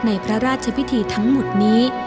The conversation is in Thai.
ในพระราชพิธีทั้งหมดนี้